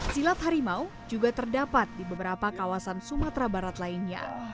silat harimau juga terdapat di beberapa kawasan sumatera barat lainnya